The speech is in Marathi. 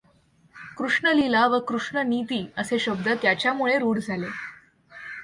कृष्णलीला व कृष्णनीती असे शब्द त्याच्यामुळे रूढ झाले.